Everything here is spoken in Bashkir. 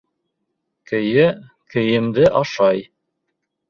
Көйә кейемде ашай